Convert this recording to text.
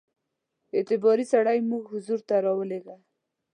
اعتباري سړی زموږ حضور ته را ولېږه.